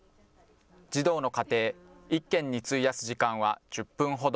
児童の家庭１軒に費やす時間は１０分ほど。